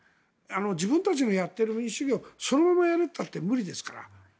自分たちのやっている主義をそのままやるといったって無理ですから。